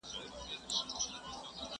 o تبه زما ده، د بدن شمه ستا ختلې ده!